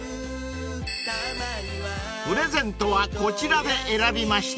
［プレゼントはこちらで選びました］